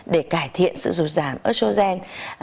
để cải thiện sự rụt giảm oetrogen